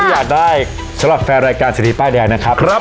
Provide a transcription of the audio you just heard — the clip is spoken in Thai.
อยากได้สำหรับแฟนรายการเศรษฐีป้ายแดงนะครับ